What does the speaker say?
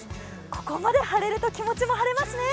ここまで晴れると気持ちも晴れますね。